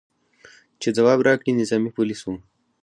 چې ځواب راکړي، نظامي پولیس و.